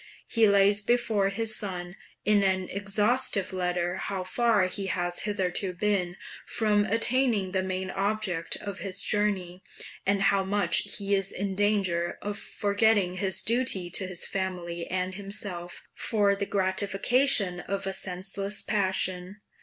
He lays before his son in an exhaustive letter how far he has hitherto been from attaining the main object of his journey, and how much he is in danger of forgetting his duty to his family and himself, for the gratification of a senseless passion.